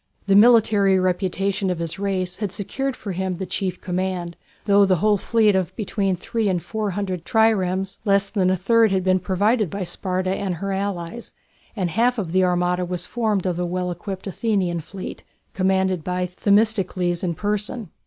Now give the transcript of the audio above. The military reputation of his race had secured for him the chief command, though of the whole fleet of between three and four hundred triremes, less than a third had been provided by Sparta and her allies, and half of the armada was formed of the well equipped Athenian fleet, commanded by Themistocles in person.